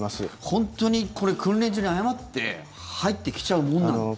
本当にこれ訓練中に誤って入ってきちゃうものなんですか？